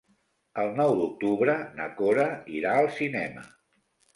El nou d'octubre na Cora irà al cinema.